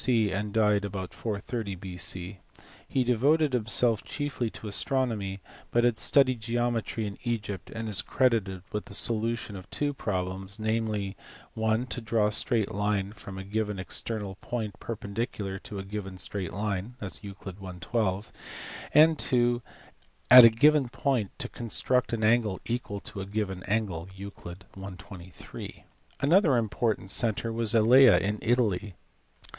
C. and died about 430 B.C. He devoted, himself chiefly to astronomy, but he had studied geometry in Egypt, and is credited with the solution of the two problems, namely, (i) to draw a straight line from a given external point perpendicular to a given straight line (Euc. i. 12), and (ii) at a given point to construct an angle equal to a given angle (Euc. i. 23). Another important centre was at Elea in Italy.